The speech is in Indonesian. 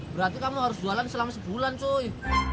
berarti kamu harus jualan selama sebulan cui